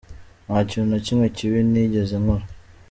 Nta kintu na kimwe kibi nigeze nkora.